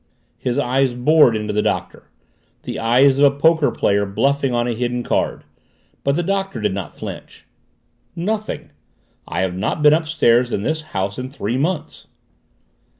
His eyes bored into the Doctor the eyes of a poker player bluffing on a hidden card. But the Doctor did not flinch. "Nothing," he said firmly. "I have not been upstairs in this house in three months."